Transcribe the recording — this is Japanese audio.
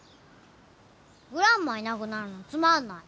グランマいなくなるのつまんない。